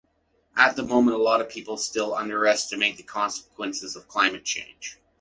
At the moment, a lot of people still underestimate the consequences of climate change.